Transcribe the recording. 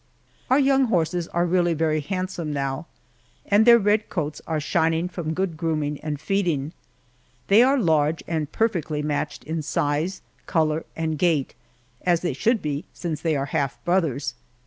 Our young horses are really very handsome now, and their red coats are shining from good grooming and feeding. They are large, and perfectly matched in size, color, and gait, as they should be, since they are half brothers.